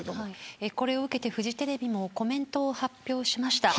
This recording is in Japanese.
これを受けてフジテレビもコメントを発表しました。